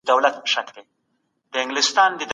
ځمکپوهنه تر ټولنپوهنې زړه ده.